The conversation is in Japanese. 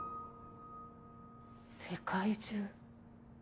世界中。